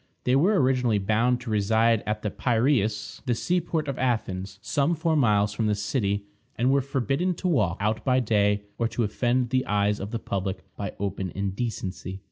They were originally bound to reside at the Piræus, the sea port of Athens, some four miles from the city, and were forbidden to walk out by day, or to offend the eyes of the public by open indecency.